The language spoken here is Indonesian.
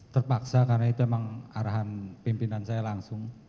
terpaksa karena itu memang arahan pimpinan saya langsung